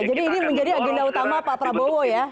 jadi ini menjadi agenda utama pak prabowo ya